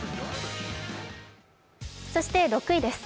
そして６位です。